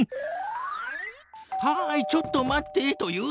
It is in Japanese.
「はいちょっと待って」と言う。